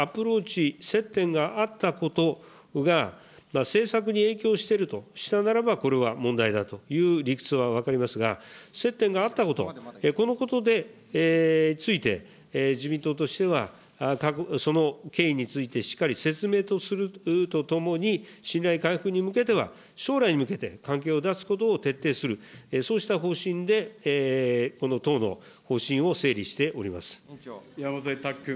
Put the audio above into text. そうしたアプローチ、接点があったことが、政策に影響してるとしたならば、これは問題だという理屈は分かりますが、接点があったこと、このことで、ついて、自民党としてはその経緯についてしっかり説明とするとともに、信頼回復に向けては、将来に向けて、関係を断つことを徹底する、そうした方針で、この党の方針を整理し山添拓君。